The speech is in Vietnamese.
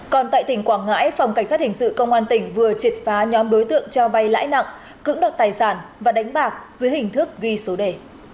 còn tại tỉnh quảng ngãi phòng cảnh sát hình sự công an tỉnh vừa triệt phá nhóm đối tượng cho vay lãi nặng cưỡng đoạt tài sản và đánh bạc dưới hình thức ghi số đề